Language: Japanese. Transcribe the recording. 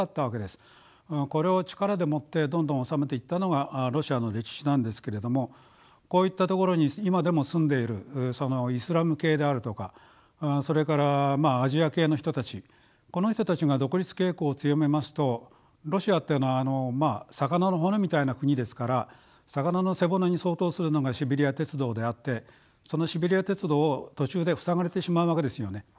これを力でもってどんどん治めていったのがロシアの歴史なんですけれどもこういった所に今でも住んでいるイスラム系であるとかそれからまあアジア系の人たちこの人たちが独立傾向を強めますとロシアっていうのは魚の骨みたいな国ですから魚の背骨に相当するのがシベリア鉄道であってそのシベリア鉄道を途中で塞がれてしまうわけですよね。